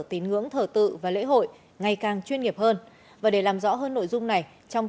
tín ngưỡng thờ tự và lễ hội ngày càng chuyên nghiệp hơn và để làm rõ hơn nội dung này trong